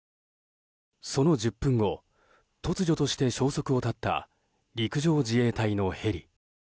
その１０分後突如として消息を絶った陸上自衛隊のヘリ。